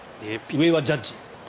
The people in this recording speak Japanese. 上、ジャッジ。